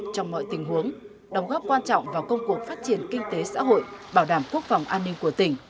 trọng vào công cuộc phát triển kinh tế xã hội bảo đảm quốc phòng an ninh của tỉnh